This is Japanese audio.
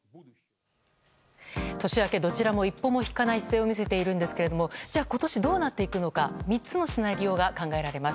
年明けどちらも一歩も引かない姿勢を見せているんですが今年どうなっていくのか３つのシナリオが考えられます。